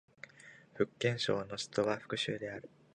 福建省の省都は福州である